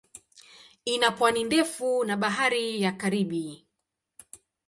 Ina pwani ndefu na Bahari ya Karibi.